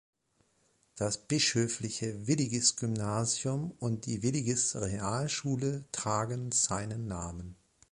Das Bischöfliche Willigis-Gymnasium, und die Willigis-Realschule tragen seinen Namen.